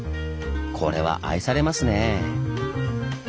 これは愛されますねぇ。